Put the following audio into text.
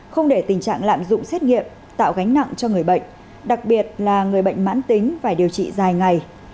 không để tình trạng lạm dụng xét nghiệm tạo gánh nặng cho người bệnh đặc biệt là người bệnh mãn tính phải điều trị dài ngày